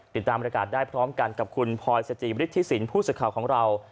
ติดตามบริการได้พร้อมกันกับคุณพลศิษย์จีบริษฐศิลป์ผู้สื่อข่าวของเรา